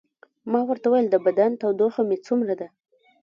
ما ورته وویل: د بدن تودوخه مې څومره ده؟